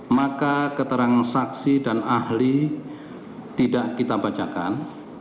maka keterangan saksi dan ahli tidak kita bacakan